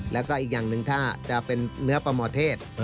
แล้วก็อีกอย่างหนึ่งถ้าจะเป็นเนื้อปลาหมอเทศ